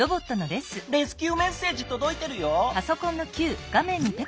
レスキューメッセージとどいてるよ。